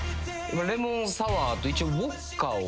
レモンサワーと一応ウオッカを。